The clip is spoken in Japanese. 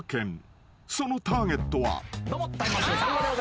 ［そのターゲットは］どうも。